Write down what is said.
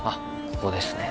ここですね